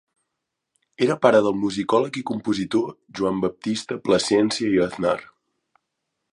Era pare del musicòleg i compositor Joan Baptista Plasència i Aznar.